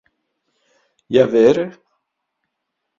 Ja vere?